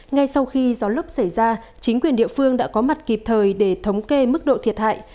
ngay sau khi gió lốc xảy ra chính quyền địa phương đã có mặt kịp thời để thống kê mức độ thiệt hại